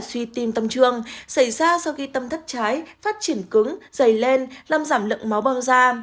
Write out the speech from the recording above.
suy tim tâm trương xảy ra sau khi tâm thất trái phát triển cứng dày lên làm giảm lượng máu bơm ra